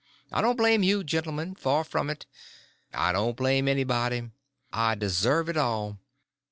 I don't blame you, gentlemen—far from it; I don't blame anybody. I deserve it all.